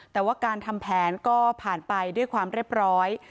แต่ว่าการทำแผนก็ผ่านไปด้วยความเรียบร้อย